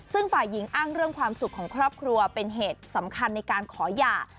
ซึ่งฝ่ายหญิงอ้างเรื่องความสุขของครอบครัวเป็นเหตุสำคัญในการขอหย่า